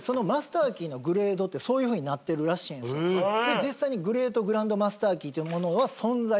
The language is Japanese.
実際にグレートグランドマスターキーっていう物は存在するんすよ。